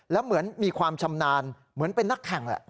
แล้วเหมือนมีความชำนาญเหมือนเป็นนักแข่งแหละ